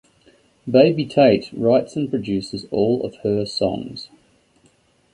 Baby Tate writes and produces all of her songs.